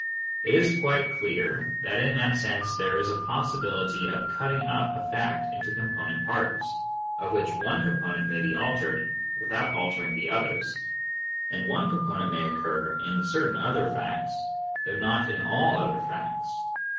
It is quite clear that in that sense there is a possibility of cutting up a fact into component parts, of which one component may be altered without altering the others, and one component may occur in certain other facts though not in all other facts.